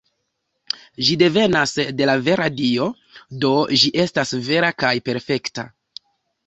Ĝi devenas de la vera Dio, do ĝi estas vera kaj perfekta.